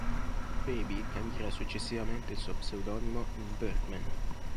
Baby cambierà successivamente il suo pseudonimo in Birdman.